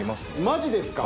マジですか？